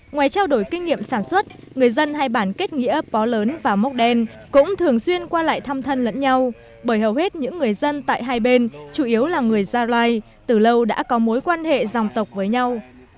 ngoài trao đổi kinh nghiệm sản xuất người dân hai bản kết nghĩa bó lớn và móc đen cũng thường xuyên qua lại thăm thân lẫn nhau bởi hầu hết những người dân tại hai bên chủ yếu là người gia rai từ lâu đã có mối quan hệ dòng tộc với nhau